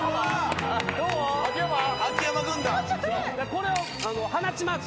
これを放ちます。